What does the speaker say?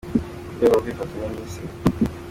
mu rwego rwo kwifatanya n’Isi.